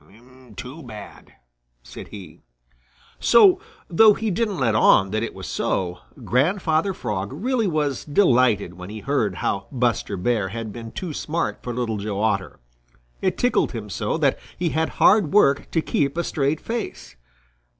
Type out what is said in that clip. Too bad," said he. So, though he didn't let on that it was so, Grandfather Frog really was delighted when he heard how Buster Bear had been too smart for Little Joe Otter. It tickled him so that he had hard work to keep a straight face.